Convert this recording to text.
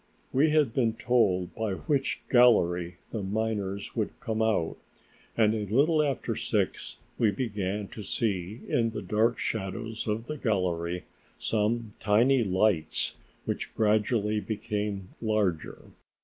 We had been told by which gallery the miners would come out, and a little after six we began to see in the dark shadows of the gallery some tiny lights which gradually became larger.